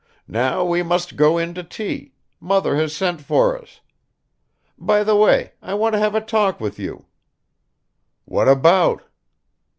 Now we must go in to tea; mother has sent for us. By the way, I want to have a talk with you." "What about?"